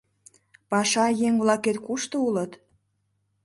Паша еҥ-влакет кушто улыт?